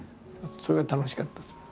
それが楽しかったですね。